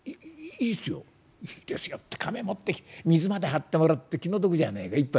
「いいですよってかめ持ってきて水まで張ってもらって気の毒じゃねえか。一杯」。